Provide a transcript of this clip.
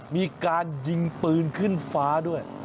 มีการยิงปืนขึ้นฟ้าด้วย